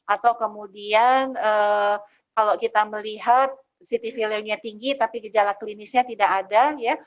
atau kemudian kalau kita melihat city value nya tinggi tapi gejala klinisnya tidak ada ya